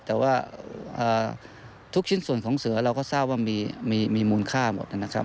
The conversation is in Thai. แต่ว่าทุกชิ้นส่วนของเสือเราก็ทราบว่ามีมูลค่าหมดนะครับ